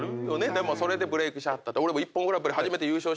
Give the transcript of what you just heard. でもそれでブレークしはった俺も。